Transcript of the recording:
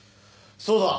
そうだ。